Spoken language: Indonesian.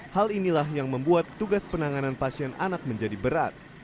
hal inilah yang membuat tugas penanganan pasien anak menjadi berat